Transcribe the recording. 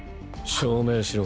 証明しろ。